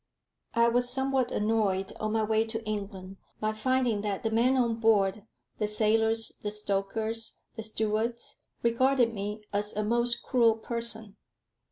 I was somewhat annoyed, on my way to England, by finding that the men on board, the sailors, the stokers, and stewards, regarded me as a most cruel person.